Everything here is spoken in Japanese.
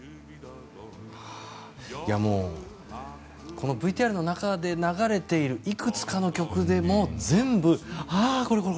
このＶＴＲの中で流れているいくつかの曲でも全部ああ、これ！